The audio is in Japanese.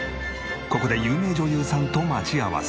ここで有名女優さんと待ち合わせ。